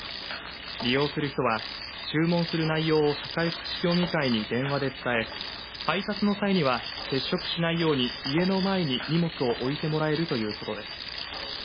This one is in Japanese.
利用する人は注文する内容を社会福祉協議会に電話で伝え配達の際には接触しないように家の前に荷物を置いてもらえるということです。